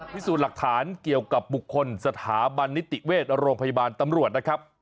พิสูจน์หลักฐานเกี่ยวกับบุคคลสถาบันนิติเวชโรงพยาบาลตำรวจนะครับ